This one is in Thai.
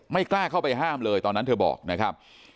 กล้าเข้าไปห้ามเลยตอนนั้นเธอบอกนะครับ